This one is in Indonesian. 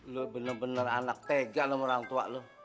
lo benar benar anak tega sama orang tua lo